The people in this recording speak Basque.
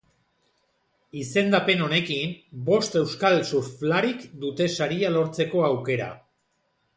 Izendapen honekin bost euskal surflarik dute saria lortzeko aukera.